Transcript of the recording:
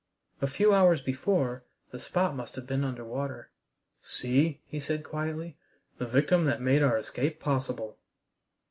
A few hours before the spot must have been under water. "See," he said quietly, "the victim that made our escape possible!"